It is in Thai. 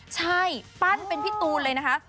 ใช่ปั้นเป็นพี่ตูนเลยนะคะ